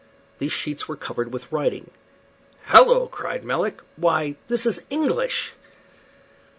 These sheets were covered with writing. "Halloa!" cried Melick. "Why, this is English!"